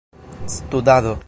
studado